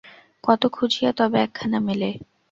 কত খুঁজিয়া তবে একখানা মেলে।